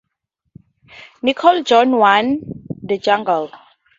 Nicol joined One the Juggler.